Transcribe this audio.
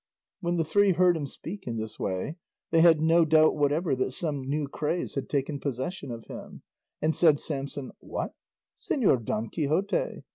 When the three heard him speak in this way, they had no doubt whatever that some new craze had taken possession of him; and said Samson, "What? Señor Don Quixote!